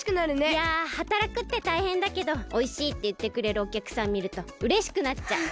いやはたらくってたいへんだけどおいしいっていってくれるおきゃくさんみるとうれしくなっちゃう。